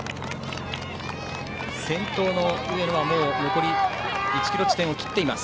先頭の上野は残り１ｋｍ地点を切っています。